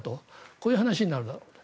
こういう話になるだろうと。